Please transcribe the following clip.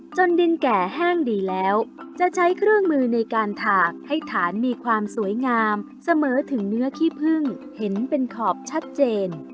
ดินแก่แห้งดีแล้วจะใช้เครื่องมือในการถากให้ฐานมีความสวยงามเสมอถึงเนื้อขี้พึ่งเห็นเป็นขอบชัดเจน